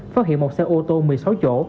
phát hiện một xe ô tô một mươi sáu chỗ